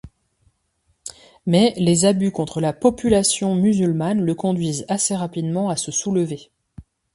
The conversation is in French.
Mais, les abus contre la population musulmane le conduise assez rapidement à se soulever.